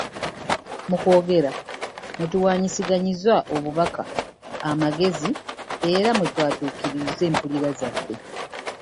Mu kwogera mwe tuwaanyisiganyiza obubaka, amagezi era mwe twaatuukiririza empulira zaffe.